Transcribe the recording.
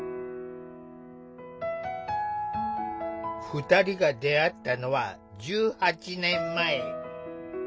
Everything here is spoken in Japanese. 二人が出会ったのは１８年前。